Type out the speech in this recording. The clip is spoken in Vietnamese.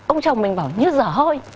ông chồng mình bảo như giở hôi